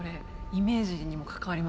イメージにも関わりますから。